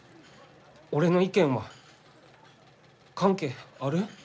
俺の意見は関係ある？